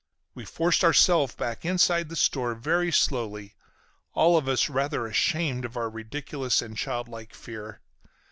We forced ourselves back inside the store very slowly, all of us rather ashamed of our ridiculous and childlike fear.